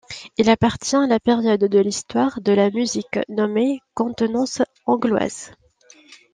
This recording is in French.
Il appartient à la période de l'histoire de la musique nommée contenance angloise.